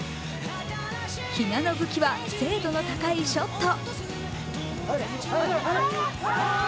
比嘉の武器は精度の高いショット。